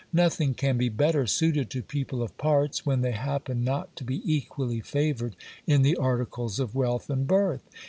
Nothing can be better suited to people of parts, when they happen not to be equally favoured in the articles of wealth and birth.